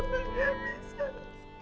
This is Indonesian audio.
psychologi polisi bahkan kemungkinan